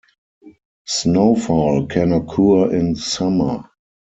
Snowfall can occur in summer.